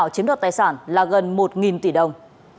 chiếm đoạt tài sản là gần một tỷ đồng